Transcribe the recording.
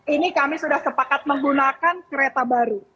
ini kami sudah sepakat menggunakan kereta baru